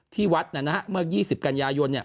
ที่วัดนะเมื่อ๒๐กัญญายนเนี่ย